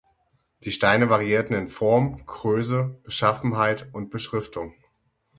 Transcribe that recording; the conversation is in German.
Die Steine variierten in Form, Größe, Beschaffenheit und Beschriftung.